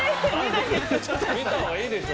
◆見たほうがいいでしょう。